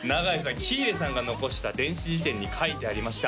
喜入さんが残した電子辞典に書いてありました